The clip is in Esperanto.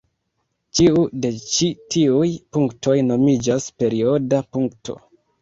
Ĉiu de ĉi tiuj punktoj nomiĝas perioda punkto.